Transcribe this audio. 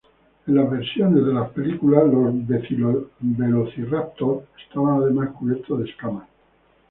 En las versiones de la película, los "Velociraptor" estaban además cubiertos de escamas.